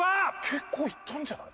結構いったんじゃない？